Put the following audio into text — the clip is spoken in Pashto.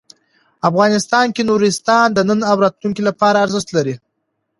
افغانستان کې نورستان د نن او راتلونکي لپاره ارزښت لري.